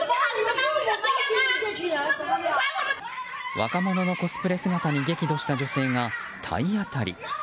若者のコスプレ姿に激怒した女性が体当たり。